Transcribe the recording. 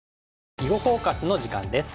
「囲碁フォーカス」の時間です。